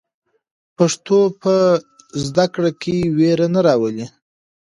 پښتو په زده کړه کې وېره نه راولي.